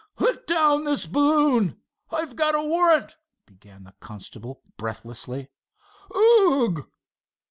"Let down this balloon! I've got a warrant," began the constable, breathlessly—"oogh!"